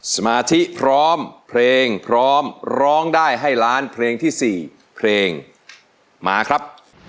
สมาธิพร้อมเพลงพร้อมร้องได้ให้ล้านเพลงที่๔เพลงมาครับ